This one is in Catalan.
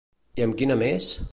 I amb quina més?